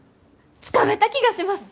つかめた気がします！